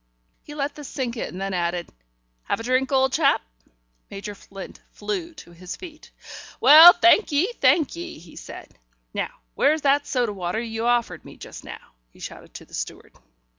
He let this sink in, then added: "Have a drink, old chap?" Major Flint flew to his feet. "Well, thank ye, thank ye," he said. "Now where's that soda water you offered me just now?" he shouted to the steward.